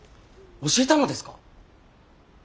教えたのですか。